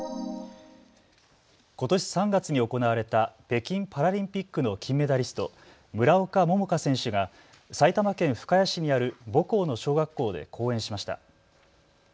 ことし３月に行われた北京パラリンピックの金メダリスト、村岡桃佳選手が埼玉県深谷市にある母校の小学校で講演しました。